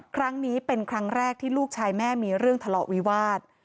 ครั้งนี้เป็นครั้งแรกที่ลูกชายแม่มีเรื่องทะเลาะวิวาส